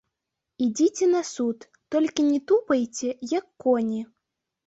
Ідзіце на суд, толькі не тупайце, як коні.